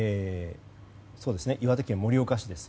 岩手県盛岡市です。